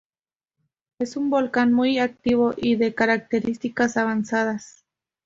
Es un volcán muy activo y de características avanzadas.